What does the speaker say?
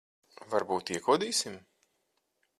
Varbūt iekodīsim?